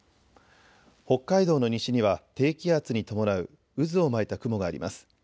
北海道の西には低気圧に伴う渦を巻いた雲があります。